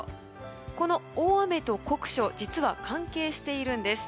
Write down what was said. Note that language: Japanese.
この大雨と酷暑実は関係しているんです。